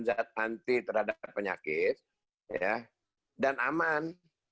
zat anti terhadap penyakit dan aman